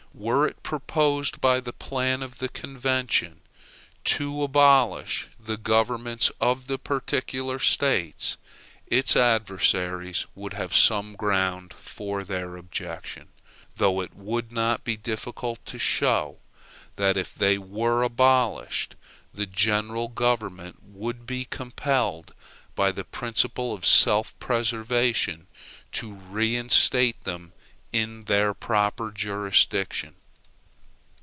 Were it proposed by the plan of the convention to abolish the governments of the particular States, its adversaries would have some ground for their objection; though it would not be difficult to show that if they were abolished the general government would be compelled, by the principle of self preservation, to reinstate them in their proper jurisdiction.